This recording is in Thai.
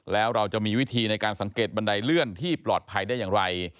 แล้วเราจะมีวิธีในการสังเกตบันไดเลื่อนที่ปลอดภัยได้อย่างไร